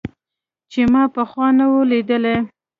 چې ما پخوا نه و ليدلى.